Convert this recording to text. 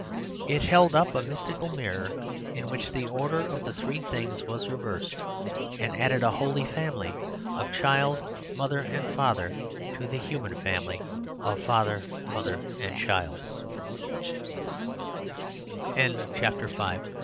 It held up a mystical mirror in which the order of the three things was reversed; and added a holy family of child, mother and father to the human family of father, mo